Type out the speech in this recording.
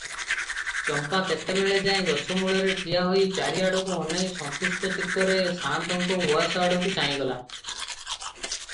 ଚମ୍ପା କେତେବେଳ ଯାଏ ଗଛମୂଳରେ ଠିଆହୋଇ ଚାରିଆଡ଼କୁ ଅନାଇ ସନ୍ତୁଷ୍ଟ ଚିତ୍ତରେ ସାଆନ୍ତଙ୍କ ଉଆସ ଆଡ଼କୁ ଚାଲିଗଲା ।